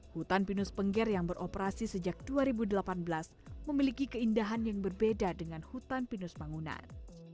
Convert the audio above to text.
hutan pinus pengger yang beroperasi sejak dua ribu delapan belas memiliki keindahan yang berbeda dengan hutan pinus bangunan